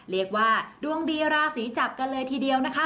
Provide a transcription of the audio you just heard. เรียกว่าดวงดีราศีจับกันเลยทีเดียวนะคะ